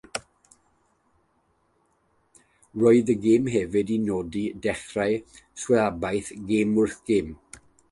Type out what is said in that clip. Roedd y gêm hefyd yn nodi dechrau sylwebaeth gêm-wrth-gêm.